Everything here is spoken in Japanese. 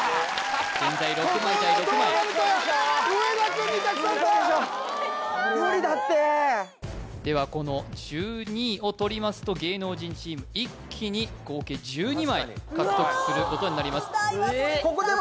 現在６枚対６枚上田君に託されたウソでしょ無理だってではこの１２位をとりますと芸能人チーム一気に合計１２枚獲得することになります